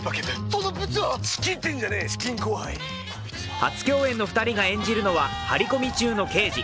初共演の２人が演じるのは張り込み中の刑事。